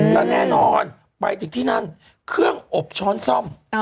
และแน่นอนไปถึงที่นั่นเครื่องอบช้อนซ่อม